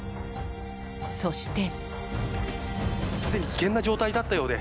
そして。